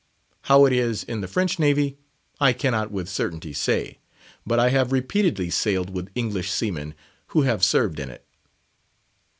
How it is in the French Navy, I cannot with certainty say; but I have repeatedly sailed with English seamen who have served in it.